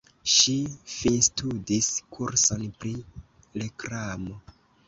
Ŝi finstudis kurson pri reklamo.